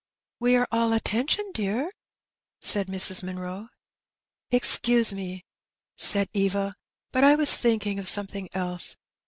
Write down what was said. ''We are all attention^ dear/' said Mrs. Manroe. ^'Excuse me/' said Eva; ''bat I was thinking of some thing else.